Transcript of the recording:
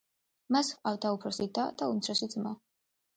მას ჰყავდა უფროსი და და უმცროსი ძმა.